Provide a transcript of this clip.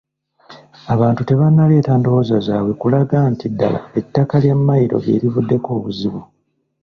Abantu tebannaleeta ndowooza zaabwe kulaga nti ddala ettaka lya Mmayiro lye livuddeko obuzibu.